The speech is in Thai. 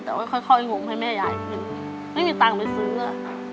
แต่ว่าค่อยงมให้แม่ยายขึ้นไม่มีตังค์ไปซื้อ